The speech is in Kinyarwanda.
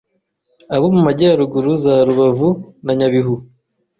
abo mu Majyaruguru, za Rubavu, na Nyabihu